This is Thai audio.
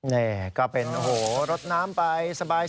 แน่ก็เป็นโหรดน้ำไปสบาย